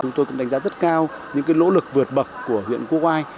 chúng tôi cũng đánh giá rất cao những nỗ lực vượt bậc của huyện quốc oai